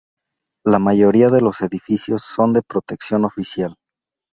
La mayoría de los edificios, son de protección oficial.